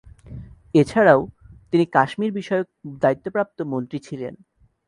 এছাড়াও তিনি কাশ্মীর বিষয়ক দায়িত্বপ্রাপ্ত মন্ত্রী ছিলেন।